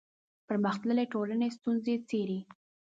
پرمختللې ټولنې ستونزې څېړي